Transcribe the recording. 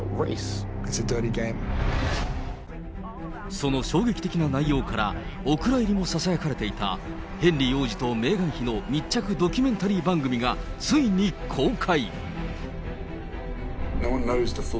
その衝撃的な内容から、お蔵入りもささやかれていたヘンリー王子とメーガン妃の密着ドキュメンタリー番組が、ついに公開。